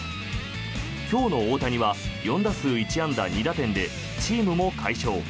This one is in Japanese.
今日の大谷は４打数１安打２打点でチームも快勝。